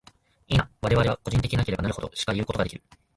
否、我々は個人的なればなるほど、しかいうことができる。